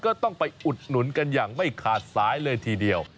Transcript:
ก็ต้องไปอุดหนุนกันอย่างไม่ขาดสายเลยทีเดียว